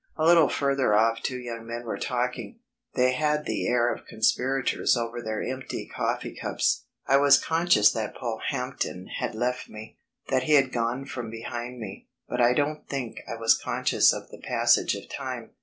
A little further off two young men were talking; they had the air of conspirators over their empty coffee cups. I was conscious that Polehampton had left me, that he had gone from behind me; but I don't think I was conscious of the passage of time.